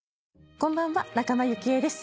こんばんは仲間由紀恵です。